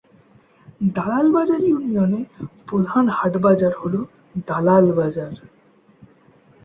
দালাল বাজার ইউনিয়নের প্রধান হাট-বাজার হল দালাল বাজার।